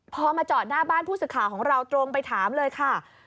พอมาจอดหน้าบ้านผู้สื่อข่าวของเราตรงไปถามเลยค่ะ